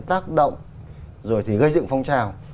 tác động rồi thì gây dựng phong trào